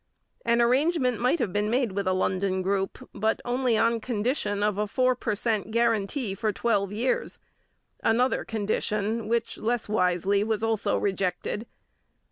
An arrangement might have been made with a London group, but only on condition of a four per cent guarantee for twelve years, another condition which, less wisely, was also rejected.